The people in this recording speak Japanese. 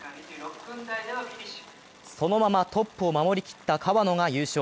そのままトップを守りきった川野が優勝。